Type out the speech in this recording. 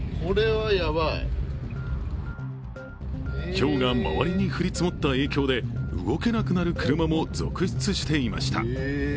ひょうが周りに降り積もった影響で動けなくなる車も続出していました。